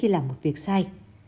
là một việc sai